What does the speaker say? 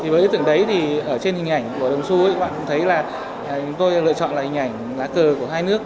với ý tưởng đấy thì ở trên hình ảnh của đồng xu các bạn cũng thấy là chúng tôi lựa chọn là hình ảnh lá cờ của hai nước